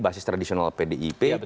basis tradisional pdip